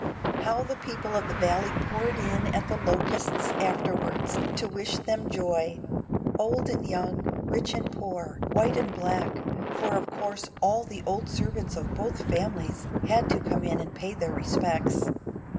How the people of the Valley poured in at The Locusts afterward to wish them joy! Old and young, rich and poor, white and black, for of course all the old servants of both families had to come in to pay their respects.